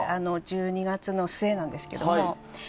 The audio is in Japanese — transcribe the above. １２月の末なんですけども。